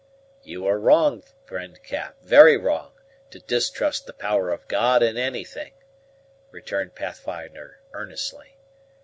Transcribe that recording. "You are wrong, friend Cap, very wrong, to distrust the power of God in any thing," returned Pathfinder earnestly.